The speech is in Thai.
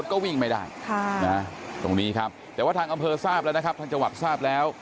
ของเข็มเก่งจังเลยนะคะ